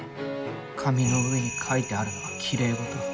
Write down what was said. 紙の上に書いてあるのはきれい事。